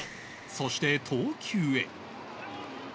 そして投球へ